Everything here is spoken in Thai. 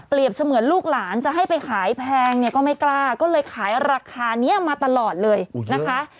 เสมือนลูกหลานจะให้ไปขายแพงเนี่ยก็ไม่กล้าก็เลยขายราคานี้มาตลอดเลยนะคะ